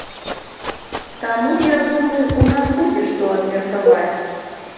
Таму, я думаю, у нас будзе што абмеркаваць.